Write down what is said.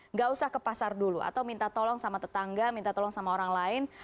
nggak usah ke pasar dulu atau minta tolong sama tetangga minta tolong sama orang lain